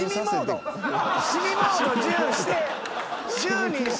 染みモード１０して。